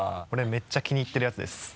これめっちゃ気に入ってるやつです。